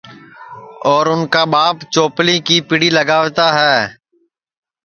اور اُن کا ٻاپ چوپلی کی پیڑی لگاوتا ہے